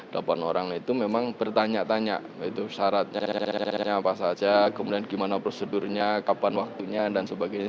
delapan orang itu memang bertanya tanya itu syaratnya apa saja kemudian gimana prosedurnya kapan waktunya dan sebagainya